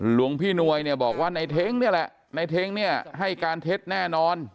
หลวงพี่นวยเนี่ยบอกว่าในเท้งนี่แหละในเท้งเนี่ยให้การเท็จแน่นอน